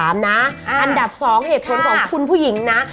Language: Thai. อันดับ๒เหตุผลของคุณผู้หญิงนะ